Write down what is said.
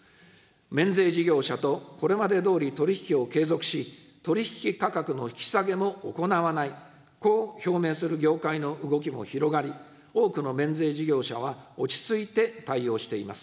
免税事業者とこれまでどおり取り引きを継続し、取り引き価格の引き下げも行わない、こう表明する業界の動きも広がり、多くの免税事業者は、落ち着いて対応しています。